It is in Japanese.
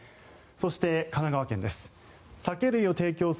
そして神奈川県です。